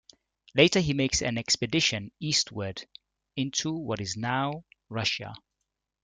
Later, he makes an expedition eastward into what is now Russia.